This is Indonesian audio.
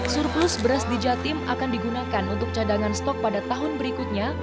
surplus beras di jatim akan digunakan untuk cadangan stok pada tahun berikutnya